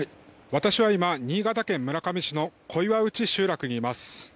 私は今、新潟県村上市の小岩内集落にいます。